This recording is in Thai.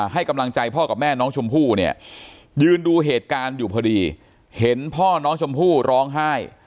ให้กำลังใจพ่อกับแม่น้องชมพู่เนี่ยยืนดูเหตุการณ์อยู่พอดีเห็นพ่อน้องชมพู่ร้องไห้